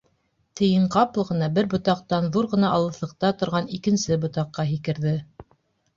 Тейен ҡапыл ғына бер ботаҡтан ҙур ғына алыҫлыҡта торған икенсе ботаҡҡа Һикерҙе.